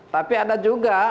tapi ada juga